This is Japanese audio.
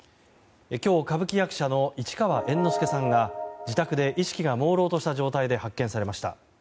今日、歌舞伎役者の市川猿之助さんが自宅で意識がもうろうとした状態で発見されました。